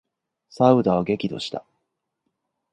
左右田は激怒した。